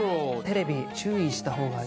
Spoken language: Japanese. テレビ注意したほうが。